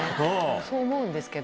そう思うんですけど。